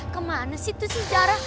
kemana sih tuh zara